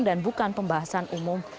dan bukan pembahasan umum